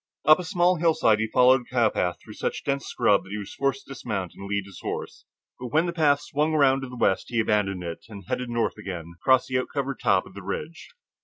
Up a small hillside he followed a cowpath through such dense scrub that he was forced to dismount and lead his horse. But when the path swung around to the west, he abandoned it and headed to the north again along the oak covered top of the ridge.